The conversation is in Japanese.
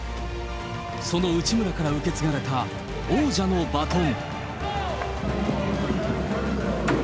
その内村から受け継がれた王者のバトン。